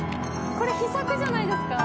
これ秘策じゃないですか？